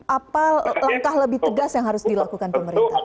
apa langkah lebih tegas yang harus dilakukan pemerintah